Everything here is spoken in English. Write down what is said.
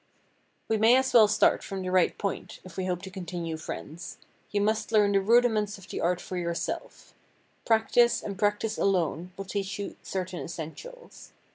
We may as well start from the right point, if we hope to continue friends. You must learn the rudiments of the art for yourself. Practice, and practice alone, will teach you certain essentials.